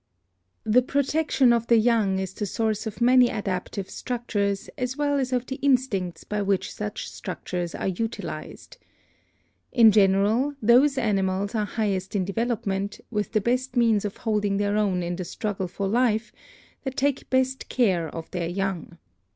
The protection of the young is the source of many adap tive structures as well as of the instincts by which such structures are utilized. In general those animals are highest in development, with the best means of holding their own in the struggle for life, that take best care of their young.